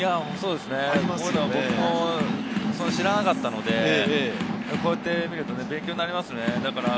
僕も知らなかったので、こうやってみると勉強になりますね。